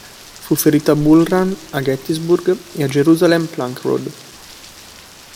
Fu ferito a Bull Run, a Gettysburg e a Jerusalem Plank Road.